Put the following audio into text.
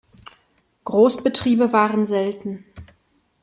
Großbetriebe waren selten.